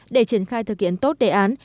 để triển khai thực hiện tốt đề án